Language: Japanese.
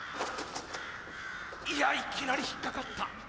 いやいきなり引っかかった。